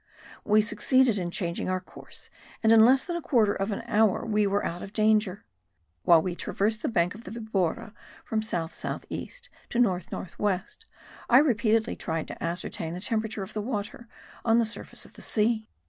We succeeded in changing our course and in less than a quarter of an hour were out of danger. While we traversed the bank of the Vibora from south south east to north north west I repeatedly tried to ascertain the temperature of the water on the surface of the sea.